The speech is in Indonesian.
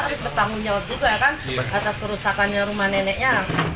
harus bertanggung jawab juga ya kan atas kerusakannya rumah neneknya